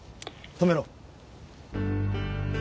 止めろ。